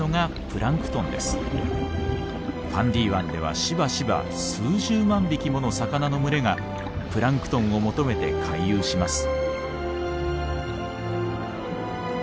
ファンディ湾ではしばしば数十万匹もの魚の群れがプランクトンを求めて回遊します。